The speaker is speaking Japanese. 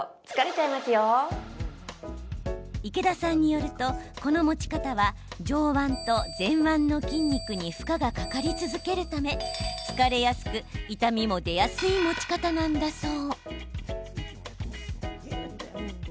池田さんによると、この持ち方は上腕と前腕の筋肉に負荷がかかり続けるため疲れやすく、痛みも出やすい持ち方なんだそう。